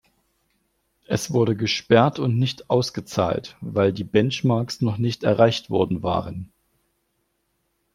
Es wurde gesperrt und nicht ausgezahlt, weil die Benchmarks noch nicht erreicht worden waren.